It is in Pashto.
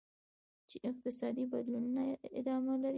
چین اقتصادي بدلونونه ادامه لري.